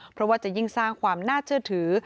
เพราะว่าจะยิ่งสร้างความน่าเชื่อถือ